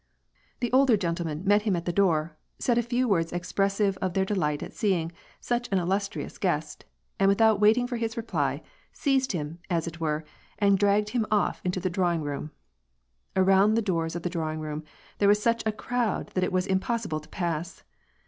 The older gentlemen met him at the door, said a few words expressive of their delight at seeing such an illustrious guest, and without waiting for his reply, seized him, as it were, and dragged him off into the drawing room. Around the doors of the drawing room there was such a crowd that it was impossi ble to pass.